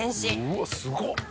「うわっすごっ！」